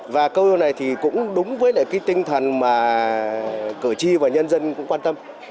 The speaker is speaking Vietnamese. và câu này thì cũng đúng với cái tinh thần mà cử tri và nhân dân cũng quan tâm